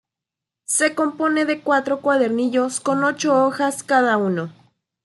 Se compone de cuatro cuadernillos con ocho hojas cada uno.